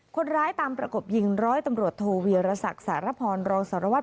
คนร้ายตามประกบยิงร้อยตำรวจโทเวียรศักดิ์สารพรรองสารวัตร